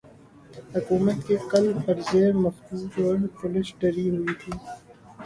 حکومت کے کل پرزے مفلوج اور پولیس ڈری ہوئی تھی۔